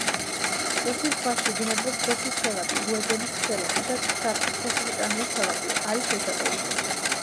როსის ზღვაში ბინადრობს როსის სელაპი, უედელის სელაპი და ცხრაფეხაჭამია სელაპი, არის ვეშაპები.